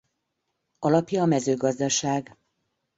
Alapja a mezőgazdaság.